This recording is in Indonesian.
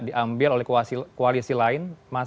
diambil oleh koalisi lain